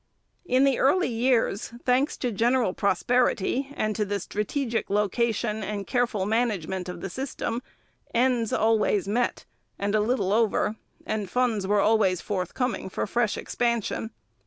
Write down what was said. In the early years, thanks to general prosperity and to the strategic location and careful management of the system, ends always met, and a little over, and funds were always forthcoming for fresh expansion.